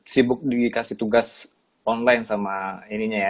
sibuk dikasih tugas online sama ininya ya